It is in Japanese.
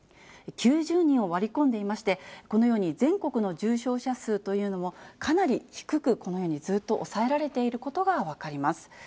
９０人を割り込んでいまして、このように全国の重症者数というのもかなり低く、このようにずっと抑えられていることが分かります。